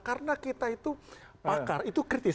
karena kita itu pakar itu kritis